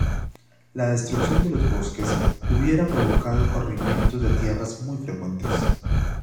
La destrucción de los bosques hubiera provocado corrimientos de tierras muy frecuentes.